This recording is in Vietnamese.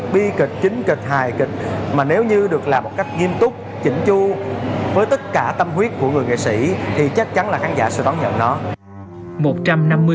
bi kịch chính kịch hài kịch mà nếu như được làm một cách nghiêm túc chỉnh chu với tất cả tâm huyết của người nghệ sĩ thì chắc chắn là khán giả sẽ đón nhận nó